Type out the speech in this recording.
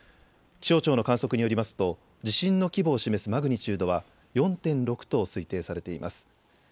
気象庁の観測によりますと地震の規模を示すマグニチュードは４．６と推定されています。